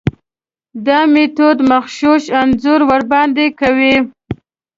دا میتود مغشوش انځور وړاندې کوي.